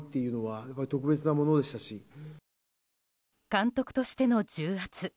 監督としての重圧。